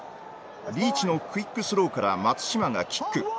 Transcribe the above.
リーチのクイックスローから松島がキック。